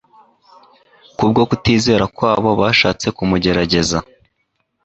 Kubwo kutizera kwabo bashatse kumugerageza.